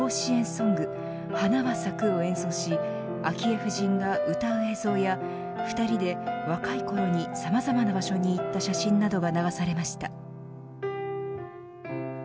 ソング花は咲くを演奏し昭恵夫人が歌う映像や２人で若い頃にさまざまな場所に行った写真などが流されました。